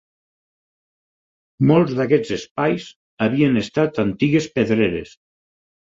Molts d'aquests espais havien estat antigues pedreres.